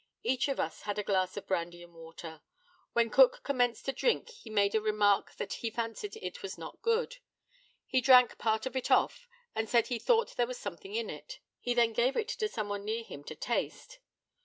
Each of us had a glass of brandy and water. When Cook commenced to drink it he made a remark that he fancied it was not good. He drank part of it off, and said he thought there was something in it. He then gave it to some one near him to taste.